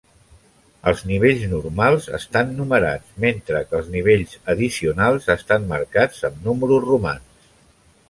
Els nivells normals estan numerats, mentre que els nivells addicionals estan marcats amb números romans.